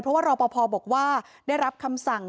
เพราะว่ารอปภบอกว่าได้รับคำสั่ง